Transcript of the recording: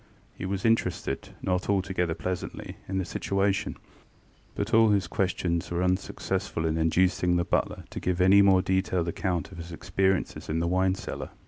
He was interested, not altogether pleasantly, in the situation; but all his questions were unsuccessful in inducing the butler to give any more detailed account of his experiences in the wine cellar.